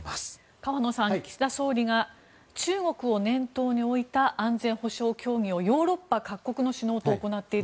河野さん岸田総理が中国を念頭に置いた安全保障協議をヨーロッパ各国の首脳と行っている